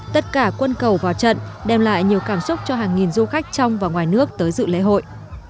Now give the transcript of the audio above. tất cả quân cầu vào trận đem lại nhiều cảm xúc cho hàng nghìn du khách trong và ngoài nước tới dự lễ hội